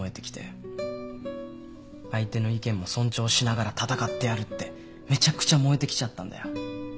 相手の意見も尊重しながら戦ってやるってめちゃくちゃ燃えてきちゃったんだよ。